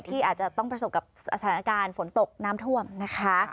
ที่อาจจะต้องประสบกับสถานการณ์ฝนตกน้ำท่วมนะคะ